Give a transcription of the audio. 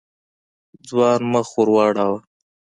ځوان مخ ور واړاوه.